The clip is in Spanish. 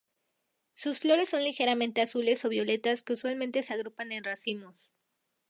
Sus flores son ligeramente azules o violetas que usualmente se agrupan en racimos.